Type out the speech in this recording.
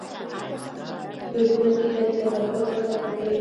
لوستونکي ته د تفکر فرصت ورکوي.